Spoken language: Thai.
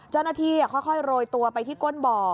เจ้าหน้าที่ค่อยโรยตัวไปที่ก้นบ่อ